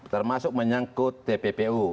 termasuk menyangkut tppu